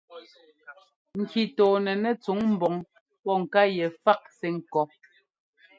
Ŋki tɔɔnɛnɛ́ tsuŋ ḿbɔŋ pɔ́ ŋká yɛ fák sɛ́ ŋkɔ́.